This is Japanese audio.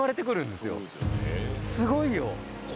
すごいよ。